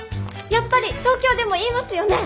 やっぱり東京でも言いますよね。